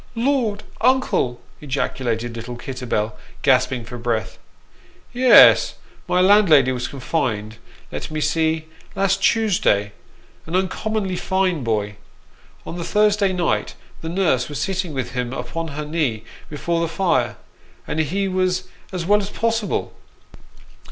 " Lord, uncle !" ejaculated little Kitterbell, gasping for breath. " Yes ; my landlady was confined let me see last Tuesday : an uncommonly fine boy. On the Thursday night the nurse was sitting with him upon her knee before the fire, and he was as well as possible.